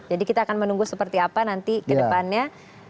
jadi kita akan menunggu seperti apa nanti ke depannya